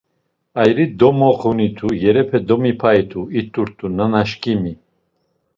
Ayri domoxunitu, yerepe domipayitu, it̆urt̆u nanaşǩimi.